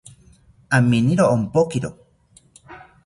Aminiro ompokiro